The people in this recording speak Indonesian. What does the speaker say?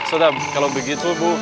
sudah kalau begitu bu